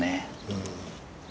うん。